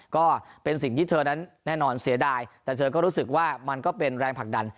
ก็เป็นสิ่งที่เธอนั้นแน่นอนเสียดายแต่เธอก็รู้สึกว่ามันก็เป็นแรงผลักดัน